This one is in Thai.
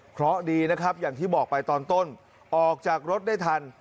เพราะดีนะครับอย่างที่บอกไปตอนต้นออกจากรถได้ทัน